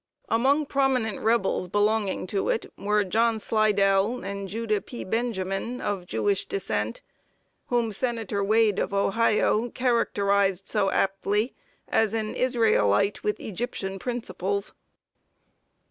Among prominent Rebels belonging to it were John Slidell and Judah P. Benjamin, of Jewish descent, whom Senator Wade of Ohio characterized so aptly as "an Israelite with Egyptian principles."